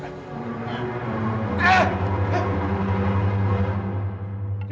lebih baik kamu mati